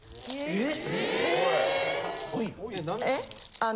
えっ！？